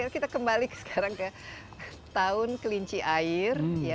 kita kembali sekarang ke tahun kelinci air